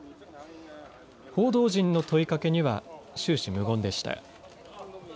報道陣の問いかけには終始無言でした。